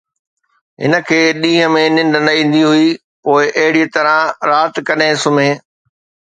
هن کي ڏينهن ۾ ننڊ نه ايندي هئي، پوءِ اهڙيءَ طرح رات ڪڏهن سمهي!